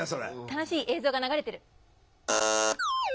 楽しい映像が流れてる。